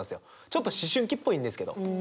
ちょっと思春期っぽいんですけど。